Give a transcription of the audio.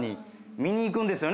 見に行くんですよね